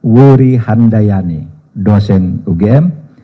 wuri handayani dosen ugm